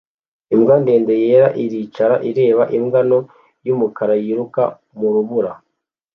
Imbwa ndende yera iricara ireba imbwa nto y'umukara yiruka mu rubura